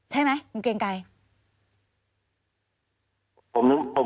ใช่ไหมคุณเกรงไกร